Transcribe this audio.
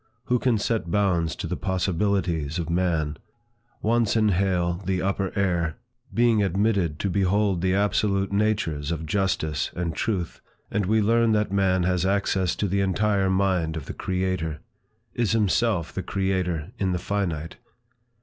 Who can set bounds to the possibilities of man? Once inhale the upper air, being admitted to behold the absolute natures of justice and truth, and we learn that man has access to the entire mind of the Creator, is himself the creator in the finite.